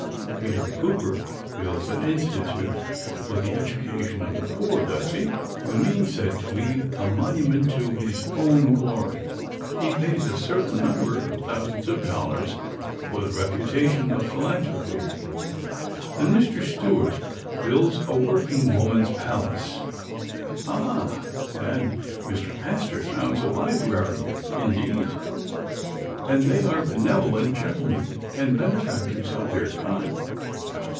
Peter Cooper builds an institute for the education of the poor, does he? You mean, said Tweed, a monument to his own glory. He pays a certain number of thousands of dollars for the reputation of philanthropy. And Mr. Stewart builds a working woman's palace. Ah! And Mr. Astor founds a library. Indeed! And they are benevolent gentlemen and benefactors of their kind?